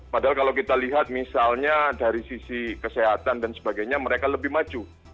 padahal kalau kita lihat misalnya dari sisi kesehatan dan sebagainya mereka lebih maju